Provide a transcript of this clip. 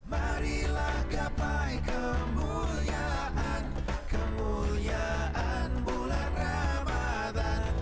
marilah gapai kemuliaan kemuliaan bulan ramadhan